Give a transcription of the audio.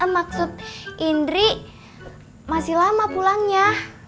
maksud indri masih lama pulangnya